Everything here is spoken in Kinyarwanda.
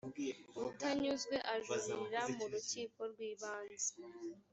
utanyuzwe ajurira mu rukiko rw’ ibanze.